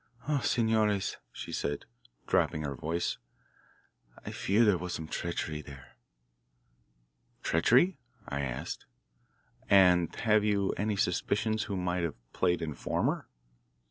Ah, senores," she said, dropping her voice, "I fear there was some treachery there." "Treachery?" I asked. "And have you any suspicions who might have played informer?"